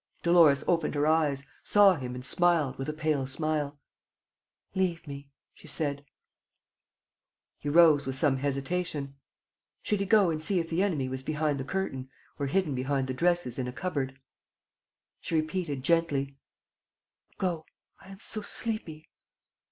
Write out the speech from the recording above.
Dolores opened her eyes, saw him and smiled, with a pale smile: "Leave me," she said: He rose, with some hesitation. Should he go and see if the enemy was behind the curtain or hidden behind the dresses in a cupboard? She repeated, gently: "Go ... I am so sleepy.